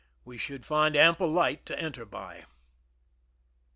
We should find ample light to enter by.